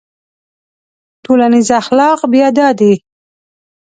ټولنیز اخلاق بیا دا دي.